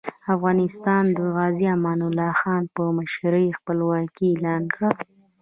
افغانانو د غازي امان الله خان په مشرۍ خپلواکي اعلان کړه.